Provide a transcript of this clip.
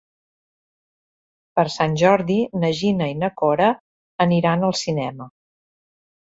Per Sant Jordi na Gina i na Cora aniran al cinema.